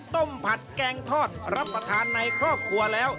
ผัดแกงทอดรับประทานในครอบครัวแล้ว